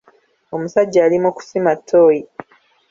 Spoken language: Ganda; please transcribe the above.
Omusajja ali mu kusima ttooyi.